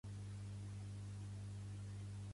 Les mesquites van desaparèixer progressivament.